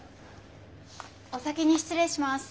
お先に失礼します。